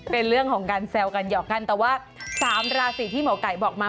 เป็นเรื่องของการแซวกันหยอกกันแต่ว่า๓ราศีที่หมอไก่บอกมา